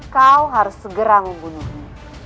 kau harus segera membunuhnya